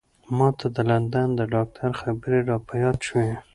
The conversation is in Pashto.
ما ته د لندن د ډاکتر خبرې را په یاد شوې.